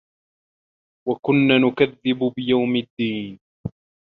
وَكُنّا نُكَذِّبُ بِيَومِ الدّينِ